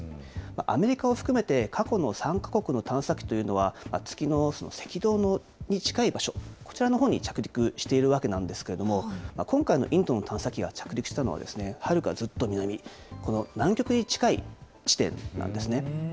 アメリカを含めて、過去の３か国の探査機というのは、月の赤道に近い場所、こちらのほうに着陸しているわけなんですけれども、今回のインドの探査機が着陸したのは、はるかずっと南、この南極に近い地点なんですね。